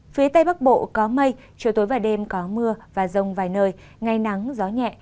phía tây bắc bộ có mây chiều tối và đêm có mưa và rông vài nơi ngày nắng gió nhẹ